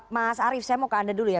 mas arief saya mau ke anda dulu ya